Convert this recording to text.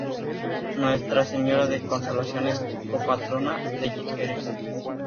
Nuestra Señora de Consolación es Copatrona de Jerez.